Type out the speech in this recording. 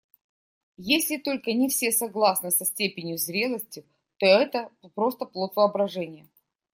Если только не все согласны со степенью зрелости, то это просто плод воображения.